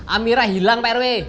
amirah hilang pak rw